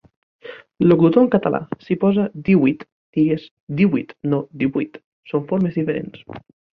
Locutor en català, si posa 'díhuit' digues 'díhuit' i no 'divuit'. Són formes diferents.